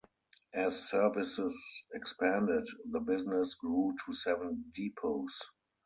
As services expanded the business grew to seven depots.